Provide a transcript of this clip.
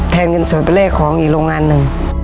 แทนเงินส่วนเวลเลกของอีกโรงงานหนึ่ง